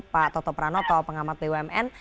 pak toto pranoto pengamat bumn